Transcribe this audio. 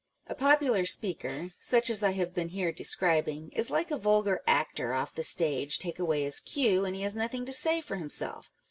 A popular speaker (such as I have been here describing) is like a vulgar actor off the stage â€" take away his cue, and he has nothing to say for himself.